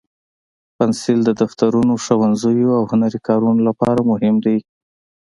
پنسل د دفترونو، ښوونځیو، او هنري کارونو لپاره مهم دی.